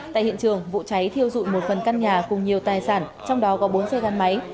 tại hiện trường vụ cháy thiêu dụi một phần căn nhà cùng nhiều tài sản trong đó có bốn xe gắn máy